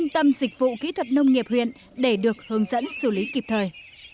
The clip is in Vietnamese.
tâm dịch vụ kỹ thuật nông nghiệp huyện để được hướng dẫn xử lý kịp thời